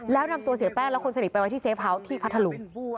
แล้วนำตัวเสียแป้งและคนสนิทไปไว้ที่เซฟเฮาส์ที่พัทธลุง